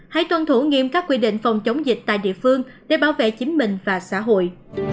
hãy tuân thủ nghiêm các quy định phòng chống dịch tại địa phương để bảo vệ chính mình và xã hội